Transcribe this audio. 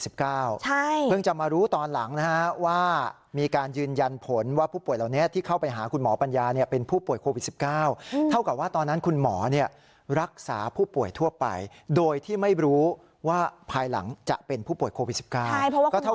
ใช่เพิ่งจะมารู้ตอนหลังนะฮะว่ามีการยืนยันผลว่าผู้ป่วยเหล่านี้ที่เข้าไปหาคุณหมอปัญญาเนี่ยเป็นผู้ป่วยโควิด๑๙เท่ากับว่าตอนนั้นคุณหมอเนี่ยรักษาผู้ป่วยทั่วไปโดยที่ไม่รู้ว่าภายหลังจะเป็นผู้ป่วยโควิด๑๙ก็เท่า